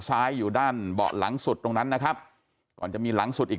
อยู่ด้านเบาะหลังสุดตรงนั้นนะครับก่อนจะมีหลังสุดอีก